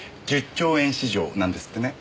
１０兆円市場なんですってね。